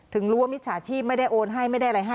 ถึงร่วมมิตรชาชีพไม่ได้โอนให้ไม่ได้อะไรให้